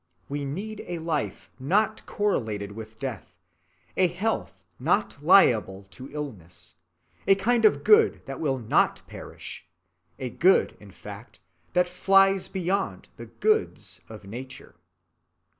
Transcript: We need a life not correlated with death, a health not liable to illness, a kind of good that will not perish, a good in fact that flies beyond the Goods of nature.